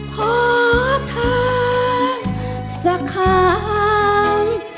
เพราะถ้าสักครั้ง